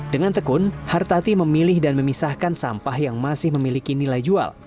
dengan tekun hartati memilih dan memisahkan sampah yang masih memiliki nilai jual